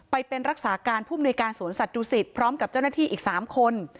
ไปเป็นรักษาการผู้มนุยการสวนสัตวศิษฐ์พร้อมกับเจ้าหน้าที่อีก๓คน